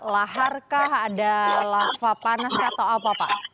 laharkah ada lava panas atau apa pak